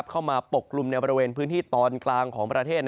ปกกลุ่มในบริเวณพื้นที่ตอนกลางของประเทศ